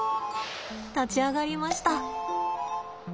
立ち上がりました。